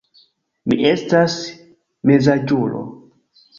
Mi estas mezaĝulo.